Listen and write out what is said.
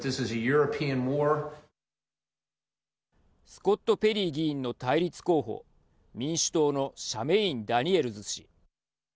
スコット・ペリー議員の対立候補民主党のシャメイン・ダニエルズ氏。